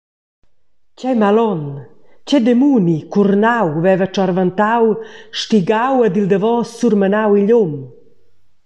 Tgei malon, tgei demuni curnau veva tschorventau, stigau ed il davos surmenau igl um?